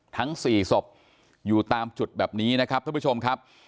ทั้ง๔ศพอยู่ตามจุดแบบนี้นะครับท่านผู้ชมครับ